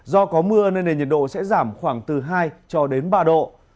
do có mưa nên nền nhiệt độ sẽ giảm khoảng từ hai ba độ